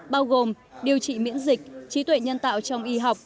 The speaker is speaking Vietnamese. bao gồm điều trị miễn dịch trí tuệ nhân tạo trong y học